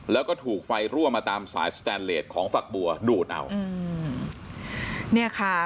แล้วก็ถูกไฟรั่วมาตามสายสแตนเลสของฝักบัวดูดเอาอืมเนี่ยค่ะ